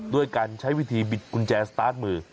ด้วยการใช้วิธีบิดกุญแจสตาร์ทมือ